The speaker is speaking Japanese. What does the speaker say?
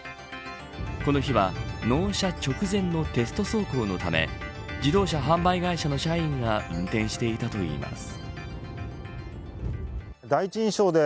この日は、納車直前のテスト走行のため自動車販売会社の社員が運転していたといいます。